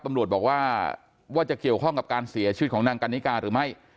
ตำรวจบอกว่าว่าจะเกี่ยวข้องกับการเสียชีวิตของนางกันนิกาหรือไม่